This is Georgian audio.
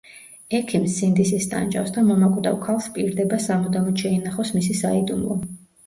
ექიმს სინდისი სტანჯავს და მომაკვდავ ქალს ჰპირდება სამუდამოდ შეინახოს მისი საიდუმლო.